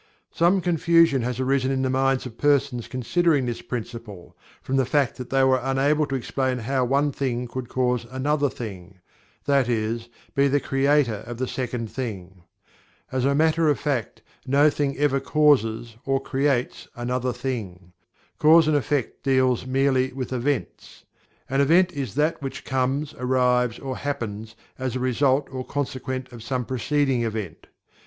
Some confusion has arisen in the minds of persons considering this Principle, from the fact that they were unable to explain how one thing could cause another thing that is, be the "creator" of the second thing. As a matter of fact, no "thing" ever causes or "creates" another "thing." Cause and Effect deals merely with "events." An "event" is "that which comes, arrives or happens, as a result or consequent of some preceding event."